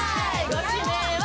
ご指名は？